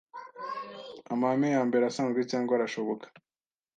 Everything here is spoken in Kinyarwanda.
amahame yambere asanzwe cyangwa arashoboka